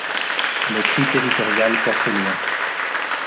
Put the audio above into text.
Le cri territorial porte loin.